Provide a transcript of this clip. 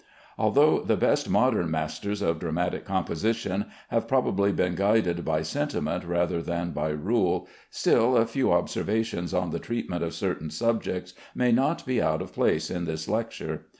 Although the best modern masters of dramatic composition have probably been guided by sentiment rather than by rule, still a few observations on the treatment of certain subjects may not be out of place in this lecture.